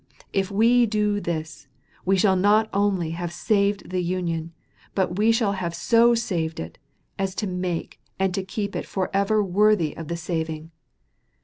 If we do this, we shall not only have saved the Union, but we shall have so saved it, as to make and to keep it forever worthy of the saving.